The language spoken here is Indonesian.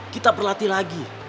kita perlatih lagi